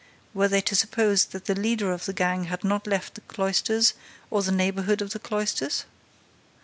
Were they to suppose that the leader of the gang had not left the cloisters or the neighborhood of the cloisters?